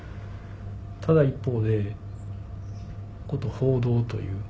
ただ一方でこと報道という。